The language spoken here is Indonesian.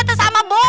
terus sama bok